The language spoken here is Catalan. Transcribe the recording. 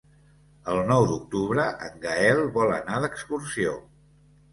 El nou d'octubre en Gaël vol anar d'excursió.